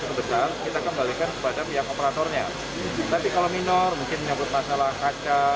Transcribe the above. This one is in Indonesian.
sebesar kita kembalikan kepada pihak operatornya tapi kalau minor mungkin menyebut masalah kaca